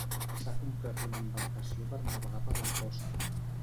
S'ha comprat una embarcació per navegar per la costa.